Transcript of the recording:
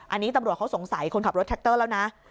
อันนี้ตำรวจเขาสงสัยคนขับรถแท็กเตอร์แล้วนะ